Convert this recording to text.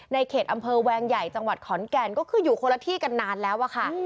ในเขตอำเภอแวงใหญ่จังหวัดขอนแก่นก็คืออยู่คนละที่กันนานแล้วอะค่ะ